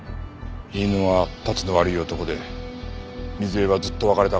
飯沼はたちの悪い男で水絵はずっと別れたがっていた。